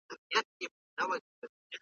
نغدي جریان ښه شو.